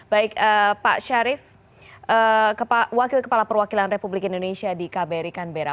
baik pak syarif wakil kepala perwakilan republik indonesia di kbri canberra